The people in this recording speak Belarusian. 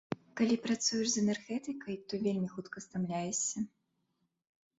Калі працуеш з энергетыкай, то вельмі хутка стамляешся.